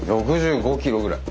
６５キロぐらい。